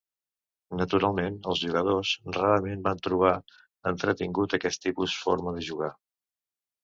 Naturalment, els jugadors rarament van trobar entretingut aquest tipus forma de jugar.